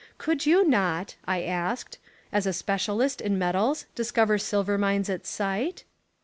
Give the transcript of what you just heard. "Could you not," I asked, *'as a specialist In metals discover silver mines at sight?"